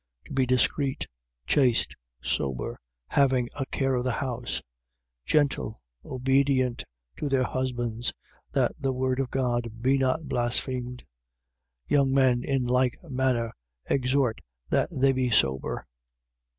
2:5. To be discreet, chaste, sober, having a care of the house, gentle, obedient to their husbands: that the word of God be not blasphemed. 2:6. Young men, in like manner, exhort that they be sober.